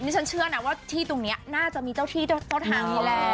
ฉันเชื่อนะว่าที่ตรงนี้น่าจะมีเจ้าที่เจ้าทางนี่แหละ